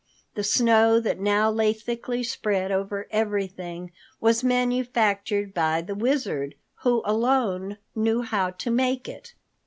The snow that now lay thickly spread over everything was manufactured by the Wizard, who alone knew how to make it.